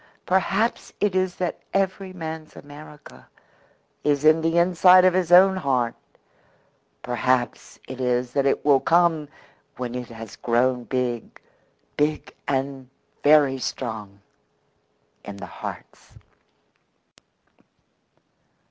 "Perhaps it is that every man's America is in the inside of his own heart. Perhaps it is that it will come when it has grown big big and very strong in the hearts."